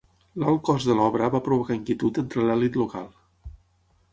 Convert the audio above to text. L'alt cost de l'obra va provocar inquietud entre l'elit local.